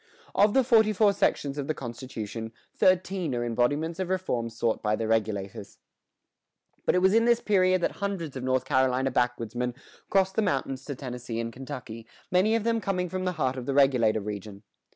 "Of the forty four sections of the constitution, thirteen are embodiments of reforms sought by the Regulators."[120:1] But it was in this period that hundreds of North Carolina backwoodsmen crossed the mountains to Tennessee and Kentucky, many of them coming from the heart of the Regulator region.